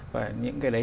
và những cái đấy